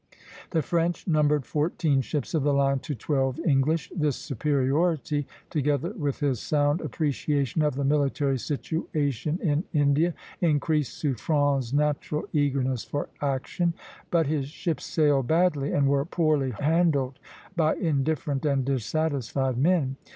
The French numbered fourteen ships of the line to twelve English. This superiority, together with his sound appreciation of the military situation in India, increased Suffren's natural eagerness for action; but his ships sailed badly, and were poorly handled by indifferent and dissatisfied men.